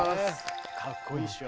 かっこいいっしょ。